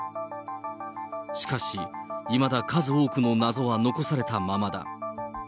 しかし、いまだ数多くの謎は残されたままだ。